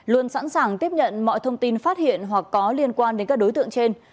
luôn sẵn sàng tiếp nhận mọi thông tin phát hiện hoặc có liên quan đến các đối tượng trên